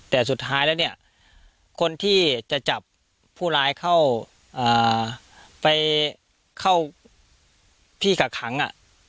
แต่สุดท้ายคนที่จะจับผู้ร้ายเขาไปเข้าที่กระขัง